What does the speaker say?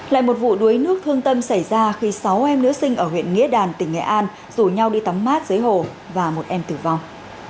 lại một vụ đuối nước thương tâm xảy ra khi sáu em nữ sinh ở huyện nghĩa đàn tỉnh nghệ an rủ nhau đi tắm mát dưới hồ và một em tử vong